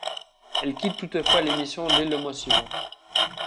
Elle quitte toutefois l'émission dès le mois suivant.